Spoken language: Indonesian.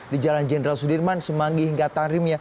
di jalan jenderal sudirman semanggi hingga tahrimnya